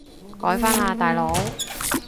改返喇大佬